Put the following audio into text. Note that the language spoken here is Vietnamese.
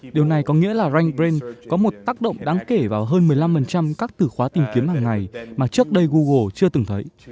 điều này có nghĩa là rankbrain có một tác động đáng kể vào hơn một mươi năm các từ khóa tìm kiếm hàng ngày mà trước đây google chưa từng thấy